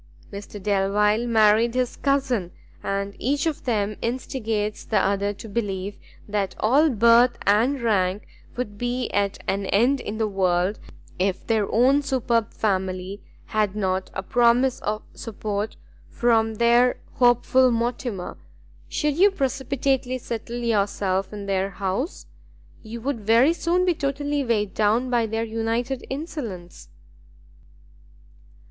Mr Delvile married his cousin, and each of them instigates the other to believe that all birth and rank would be at an end in the world, if their own superb family had not a promise of support from their hopeful Mortimer. Should you precipitately settle yourself in their house, you would very soon be totally weighed down by their united insolence."